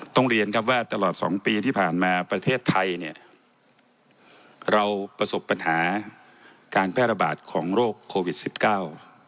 เรียนครับว่าตลอดสองปีที่ผ่านมาประเทศไทยเนี่ยเราประสบปัญหาการแพร่ระบาดของโรคโควิดสิบเก้า